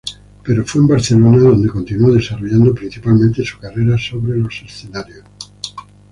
Pero fue en Barcelona donde continuó desarrollando principalmente su carrera sobre los escenarios.